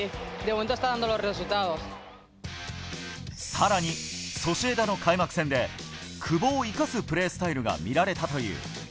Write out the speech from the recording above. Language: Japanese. さらにソシエダの開幕戦で、久保を生かすプレースタイルが見られたという。